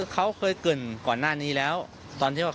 คนนี้ก็แน่